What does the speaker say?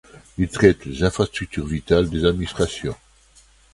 Il traite des infrastructures vitales des administrations.